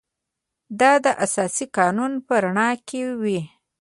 دا د اساسي قانون په رڼا کې وي.